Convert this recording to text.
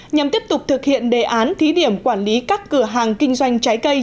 nhằm tiếp tục thực hiện đề án thí điểm quản lý các cửa hàng kinh doanh trái cây